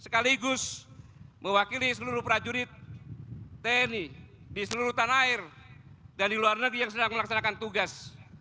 sekaligus mewakili seluruh prajurit tni di seluruh tanah air dan di luar negeri yang sedang melaksanakan tugas